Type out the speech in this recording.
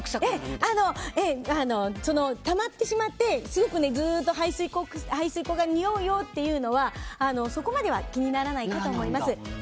たまってしまってずっと排水口がにおうよというのは、そこまでは気にならないかと思います。